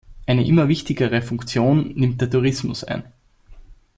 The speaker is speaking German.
Eine immer wichtigere Funktion nimmt der Tourismus ein.